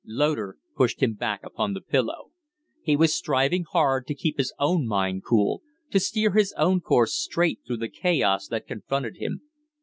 Loder pushed him back upon the pillow. He was striving hard to keep his own mind cool, to steer his own course straight through the chaos that confronted him.